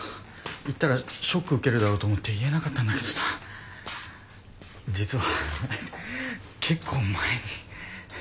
言ったらショック受けるだろうと思って言えなかったんだけどさ実は結構前に。